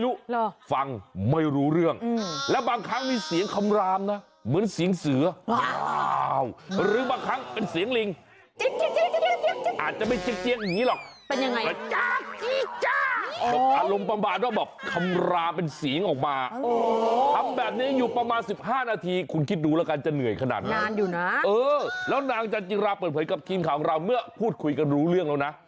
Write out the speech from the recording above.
และจิลาเปิดเผยกับคลิมข่าวของเราเมื่อพูดคุยกันรู้เรื่องแล้วนะ